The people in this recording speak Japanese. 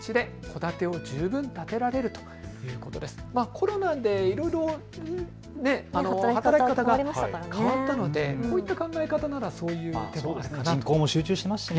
コロナでいろいろ働き方が変わったのでこういった考え方ならそういうのもあるかなと。